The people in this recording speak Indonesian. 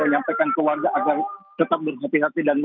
salah satu warga di kecamatan